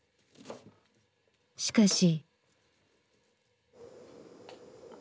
しかし。